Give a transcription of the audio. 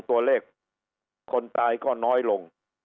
ตัวเลขคนตายก็น้อยลง